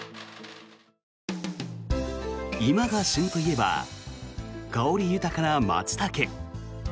今が旬といえば香り豊かなマツタケ。